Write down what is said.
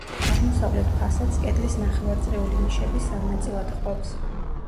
აღმოსავლეთ ფასადს კედლის ნახევარწრიული ნიშები სამ ნაწილად ჰყოფს.